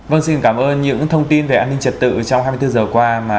vâng xin cảm ơn những thông tin về an ninh trật tự trong hai mươi bốn giờ qua